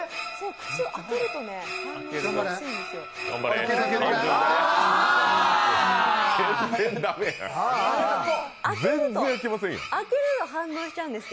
口を開けると反応しやすいんですよ。